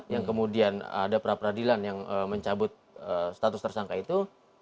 yang kemudian ada pra peradilan yang mencabut status tersangka itu